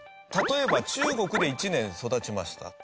例えば中国で１年育ちました。